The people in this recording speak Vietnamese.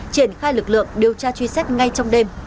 triển khai lực lượng điều tra truy xét ngay trong đêm